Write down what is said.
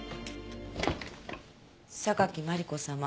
榊マリコ様